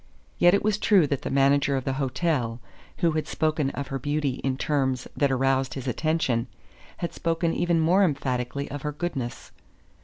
Yet it was true that the manager of the hotel, who had spoken of her beauty in terms that aroused his attention, had spoken even more emphatically of her goodness.